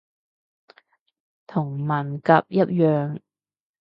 同文革一樣